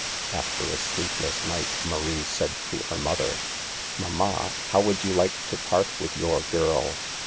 After a sleepless night Marie said to her mother :" Mamma, how would you like to part with your girl